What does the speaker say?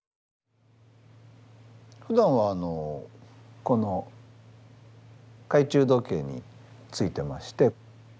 ふだんはこの懐中時計に付いてまして。